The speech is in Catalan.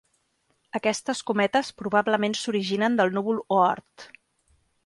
Aquestes cometes probablement s'originen del núvol Oort.